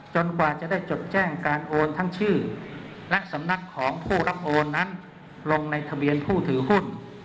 กว่าจะได้จดแจ้งการโอนทั้งชื่อและสำนักของผู้รับโอนนั้นลงในทะเบียนผู้ถือหุ้น